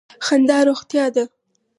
خندا روغتیا ده.